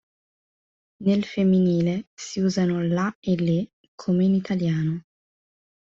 Nel femminile si usano la e le come in italiano.